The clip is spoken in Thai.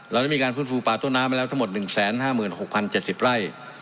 เราได้มีการฟื้นฟูป่าต้นน้ำไปแล้วทั้งหมด๑๕๖๐๗๐ไร่